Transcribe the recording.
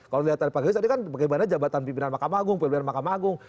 kalau dilihat dari pak gayus tadi kan bagaimana jabatan pimpinan mahkamah agung pimpinan mahkamah agung